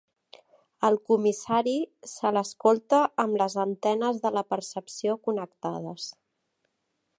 El comissari se l'escolta amb les antenes de la percepció connectades.